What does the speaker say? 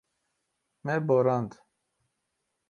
Me borand.